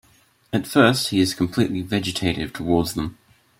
At first, he is completely vegetative towards them.